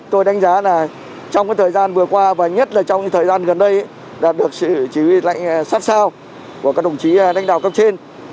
tôi đánh giá là trong thời gian vừa qua và nhất là trong thời gian gần đây đã được sự chỉ huy lãnh sát sao của các đồng chí đánh đạo cấp trên